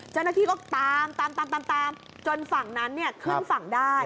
เจ้าหน้าที่ก็ตามตามจนฝั่งนั้นขึ้นฝั่งได้